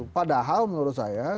padahal menurut saya